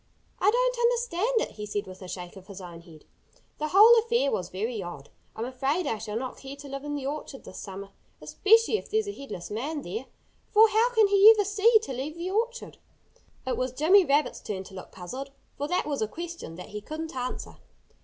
"I don't understand it," he said with a shake of his own head. "The whole affair was very odd. I'm afraid I shall not care to live in the orchard this summer, especially if there's a headless man there! For how can he ever see to leave the orchard?" It was Jimmy Rabbit's turn to look puzzled, for that was a question that he couldn't answer.